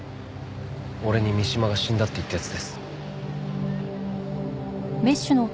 俺に三島が死んだって言った奴です。